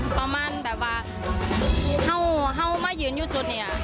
ประมาณแบบว่าเห่ามายืนอยู่จุดนี้